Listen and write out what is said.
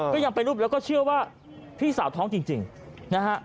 ก็ยังไปรูปแล้วก็เชื่อว่าพี่สาวท้องจริงนะฮะ